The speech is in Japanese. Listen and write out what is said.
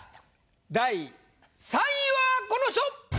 第３位はこの人！